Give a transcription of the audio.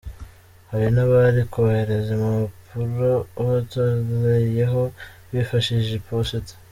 Hari n’abari kohereza impapuro batoreyeho bifashishije iposita.